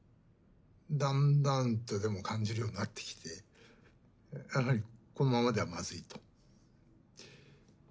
だんだんとでも感じるようになってきてやはりこのままではまずいと。